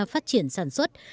phát triển sản xuất